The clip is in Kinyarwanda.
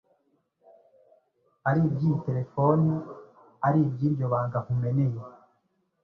Ari iby’iyi terefone, ari iby’iryo banga nkumeneye...